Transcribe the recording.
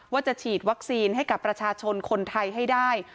ว่าจะฉีดวัคซีนให้กับประชาชนคนไทยให้ได้